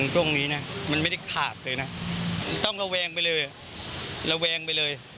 ช่วงนี้นะมันไม่ได้ขาดเลยนะต้องระแวงไปเลยระแวงไปเลย